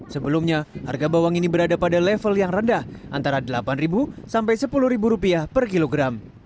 sebelumnya harga bawang ini berada pada level yang rendah antara rp delapan sampai rp sepuluh per kilogram